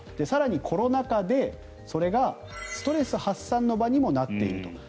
更にコロナ禍でそれがストレス発散の場にもなっていると。